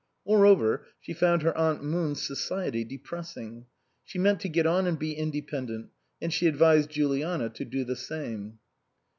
Moreover, she found her aunt Moon's society depressing. She meant to get on and be independent; and she advised Juliana to do the same.